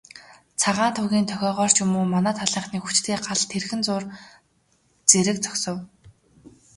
Цагаан тугийн дохиогоор ч юм уу, манай талынхны хүчтэй гал тэрхэн зуур зэрэг зогсов.